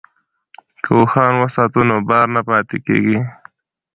که اوښان وساتو نو بار نه پاتې کیږي.